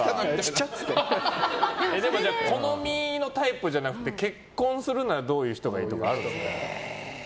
好みのタイプじゃなくて結婚するならどんな人がいいとかありますか。